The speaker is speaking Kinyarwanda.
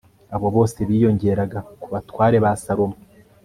abo bose biyongeraga ku batware ba salomo